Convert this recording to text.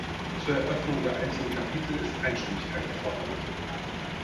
Zur Eröffnung der einzelnen Kapitel ist Einstimmigkeit erforderlich.